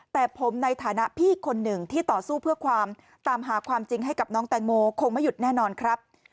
แต่ผมในฐานะพี่คนหนึ่งที่ต่อสู้เพื่อความตามหาความจริงให้กับน้องแตงโมคงไม่หยุดแน่นอนครับ